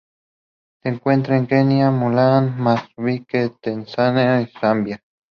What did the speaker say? Se encuentra en Kenia, Malaui, Mozambique, Tanzania, y Zambia.